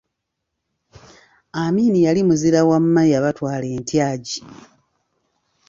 Amini yali muzira wamma eyabatwala entyagi.